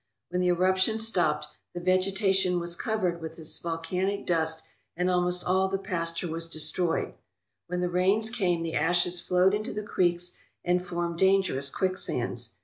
When the eruption stopped, the vegetation was covered with this volcanic dust and almost all the pasture was destroyed. When the rains came the ashes flowed into the creeks and formed dangerous quicksands.